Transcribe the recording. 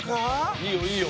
いいよいいよ！